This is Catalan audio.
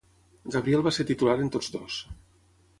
Gabriel va ser titular en tots dos.